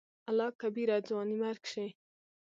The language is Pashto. الله کبيره !ځواني مرګ شې.